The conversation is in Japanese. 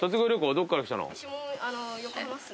どこから来たの。